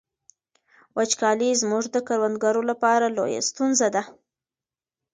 وچکالي زموږ د کروندګرو لپاره لویه ستونزه ده.